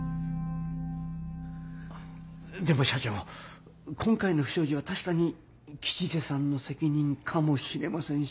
でも社長今回の不祥事は確かに吉瀬さんの責任かもしれません。